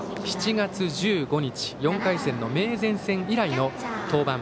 ７月１５日、４回戦の明善戦以来の登板。